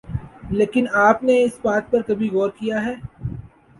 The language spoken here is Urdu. لیکن آپ نے کبھی اس بات پر غور کیا ہے